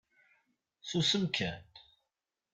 Susem kan.